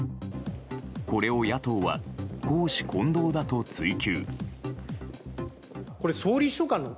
これを野党は公私混同だと追及。